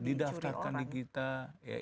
didaftarkan di kita